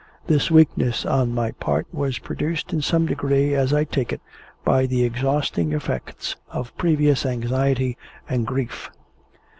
This weakness on my part was produced in some degree, as I take it, by the exhausting effects of previous anxiety and grief.